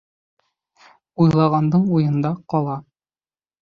Уйлағандың уйында ҡала.